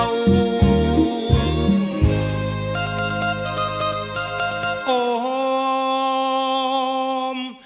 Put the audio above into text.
ไม่ใช้